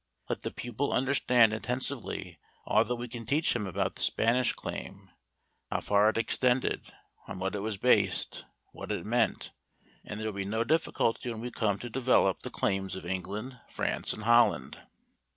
Let the pupil understand intensively all that we can teach him about the Spanish claim how far it extended, on what it was based, what it meant and there will be no difficulty when we come to develop the claims of England, France and Holland.